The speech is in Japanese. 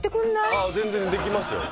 ああ全然できますよ